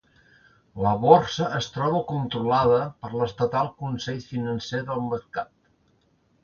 La borsa es troba controlada per l'estatal Consell Financer de Mercat.